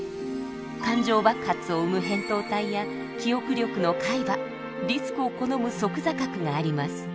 感情爆発を生むへんとう体や記憶力の海馬リスクを好む側坐核があります。